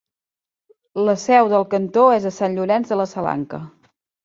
La seu del cantó és a Sant Llorenç de la Salanca.